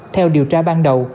theo điều tra ban đầu